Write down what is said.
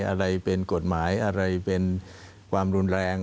อะไรเป็นกฎหมายอะไรเป็นความรุนแรง